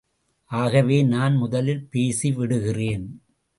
ஆகவே நான் முதலில் பேசி விடுகிறேன்.